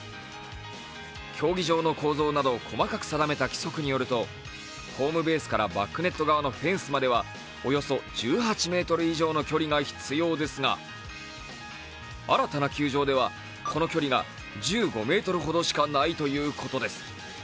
競技場の構造などを細かく定めた規則によるとホームベースからバックネット側のフェンスまではおよそ１８ｍ以上の距離が必要ですが新たな球場ではこの距離が１５ｍほどしかないということです。